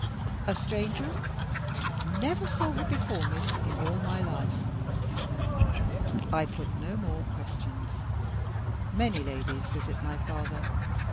"A stranger?" "Never saw her before, miss, in all my life." I put no more questions. Many ladies visit my father.